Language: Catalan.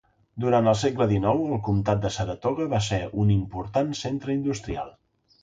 Durant el segle XIX, el comtat de Saratoga va ser un important centre industrial.